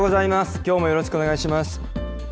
きょうもよろしくお願いします。